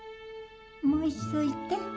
もう一度言って。